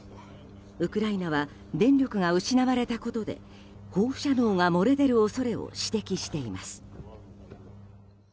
ウクライナは電力が失われたことで放射能が漏れ出る恐れを指摘しています。